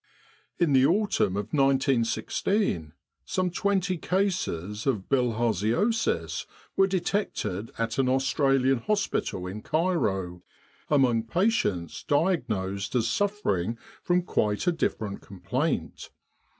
In the autumn of 1916 some twenty cases of bilharziosis were detected at an Australian hospital in Cairo, among patients diagnosed as suffering from quite a different complaint.